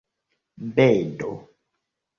bedo